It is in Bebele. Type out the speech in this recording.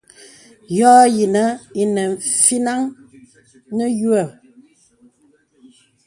Yɔ̄ yìnə̀ inə fínaŋ nə̀ yùə̀ə̀.